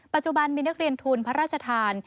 ปัจจุบันมีนักเรียนทุนพระราชทาน